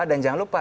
dan jangan lupa